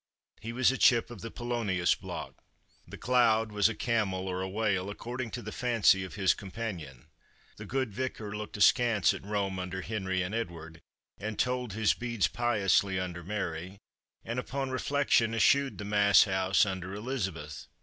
He was a chip of the Polonius block. The cloud was a camel or a whale, according to the fancy of his companion. The good vicar looked askance at Rome under Henry and Edward, and told his beads piously under Mary, and upon reflection eschewed the mass house under Elizabeth.